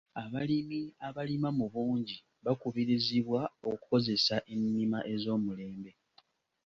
Abalimi abalima mu bungi bakubirizibwa okukozesa ennima ez'omulembe.